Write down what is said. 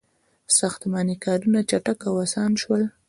• ساختماني کارونه چټک او آسان شول.